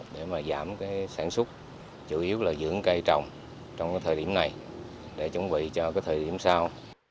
để giảm sản xuất chủ yếu là dưỡng cây trồng trong thời điểm này để chuẩn bị cho thời điểm sau